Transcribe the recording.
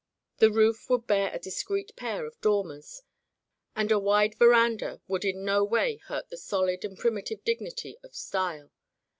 The roof would bear a discreet pair of dormers, and a wide veranda would in no way hurt the solid and primitive dignity of style.